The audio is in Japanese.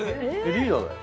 リーダーだよ。